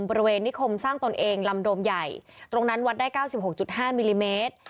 บริเวณนิคมสร้างตนเองลำโดมใหญ่ตรงนั้นวัดได้เก้าสิบหกจุดห้ามิลลิเมตร